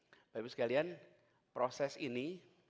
bapak ibu sekalian proses ini